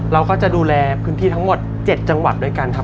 เราก็ดูแลทั้งหมด๗จังหวัดโดยกันครับ